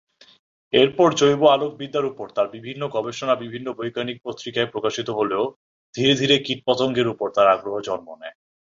এরপর জৈব-আলোকবিদ্যার ওপর তার বিভিন্ন গবেষণা বিভিন্ন বৈজ্ঞানিক পত্রিকায় প্রকাশিত হলেও ধীরে ধীরে কীট পতঙ্গের ওপর তার আগ্রহ জন্ম নেয়।